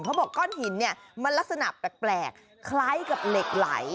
บอกก้อนหินเนี่ยมันลักษณะแปลกคล้ายกับเหล็กไหล